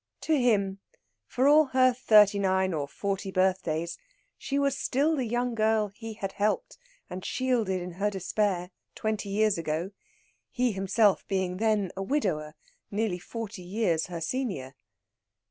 To him, for all her thirty nine or forty birthdays, she was still the young girl he had helped and shielded in her despair, twenty years ago, he himself being then a widower, near forty years her senior.